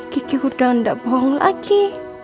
kiki udah gak bohong lagi